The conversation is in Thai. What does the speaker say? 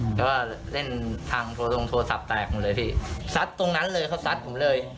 แต่ว่าเล่นทางโทรตรงโทรศัพท์แตกหมดเลยพี่ซัดตรงนั้นเลยเขาซัดผมเลย